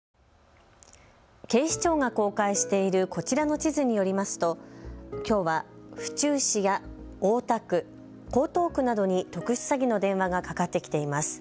警視庁が公開しているこちらの地図によりますときょうは府中市や大田区、江東区などに特殊詐欺の電話がかかってきています。